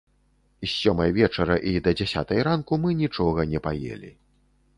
З сёмай вечара і да дзясятай ранку мы нічога не паелі.